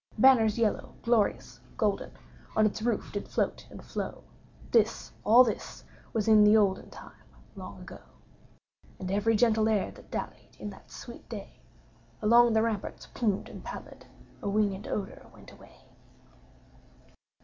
Banners yellow, glorious, golden, On its roof did float and flow; (This—all this—was in the olden Time long ago) And every gentle air that dallied, In that sweet day, Along the ramparts plumed and pallid, A winged odor went away.